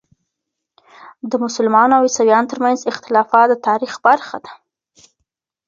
د مسلمانو او عیسویانو ترمنځ اختلافات د تاریخ برخه ده.